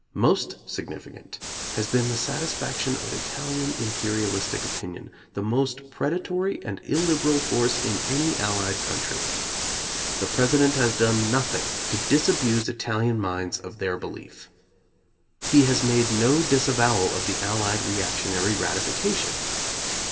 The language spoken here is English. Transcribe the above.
Most significant has been the satis faction of Italian imperialistic opinion, the most predatory and illiberal force in any Allied country. The President has done nothing to disabuse Ital ian minds of their belief. He has made no dis avowal of the Allied reactionary ratification.